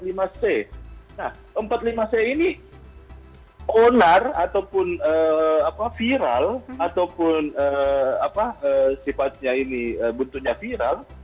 nah empat puluh lima c ini onar ataupun viral ataupun sifatnya ini bentuknya viral